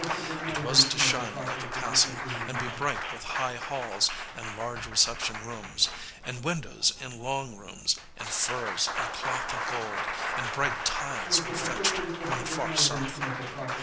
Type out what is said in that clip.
It was to shine like a castle, and be bright with high halls and large reception rooms, and windows in long rooms; and furs and cloth of gold and bright tiles were fetched from the far South.